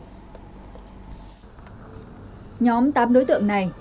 nhóm tám đối tượng này